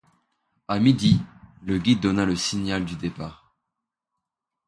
À midi, le guide donna le signal du départ.